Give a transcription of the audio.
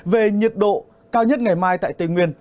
về nhiệt độ cao nhất ngày mai tại tây nguyên